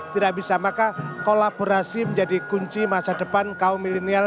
tidak bisa maka kolaborasi menjadi kunci masa depan kaum milenial